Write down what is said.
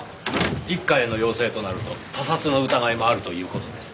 一課への要請となると他殺の疑いもあるという事ですか？